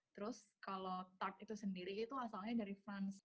terus kalau tart itu sendiri itu asalnya dari fans